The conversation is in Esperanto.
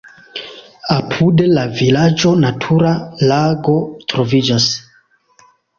Apud la vilaĝo natura lago troviĝas.